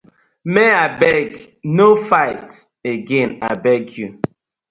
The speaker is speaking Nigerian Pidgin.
Maymay abeg no fight again abeg yu.